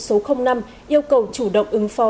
số năm yêu cầu chủ động ứng phò